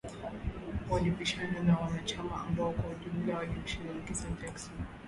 Walipishana na wanachama ambao kwa ujumla walimshinikiza Jackson